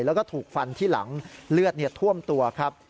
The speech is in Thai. แล้วก็ถูกฟันที่หลังเลือดท่วมตัวครับ